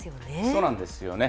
そうなんですよね。